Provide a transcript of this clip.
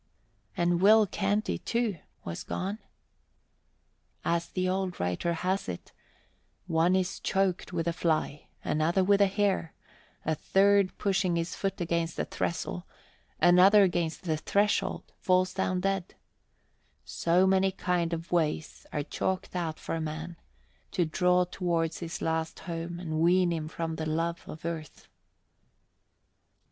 And Will Canty, too, was gone! As the old writer has it, "One is choked with a fly, another with a hair, a third pushing his foot against the trestle, another against the threshold, falls down dead: So many kind of ways are chalked out for man, to draw towards his last home, and wean him from the love of earth."